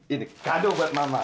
ini kado buat mama